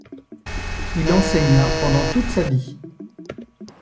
Il enseigna pendant toute sa vie.